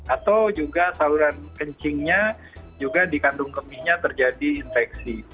atau juga saluran kencingnya juga dikandung kemihnya terjadi infeksi